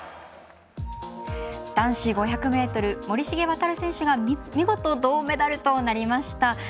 男子５００ｍ森重航選手が見事銅メダルとなりました。